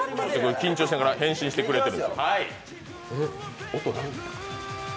緊張しながら、変身してくれてる。